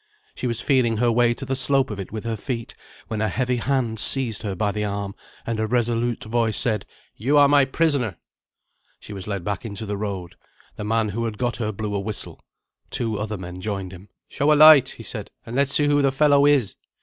She was feeling her way to the slope of it with her feet, when a heavy hand seized her by the arm; and a resolute voice said: "You are my prisoner." She was led back into the road. The man who had got her blew a whistle. Two other men joined him. "Show a light," he said; "and let's see who the fellow is."